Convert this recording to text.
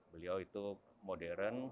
beliau itu modern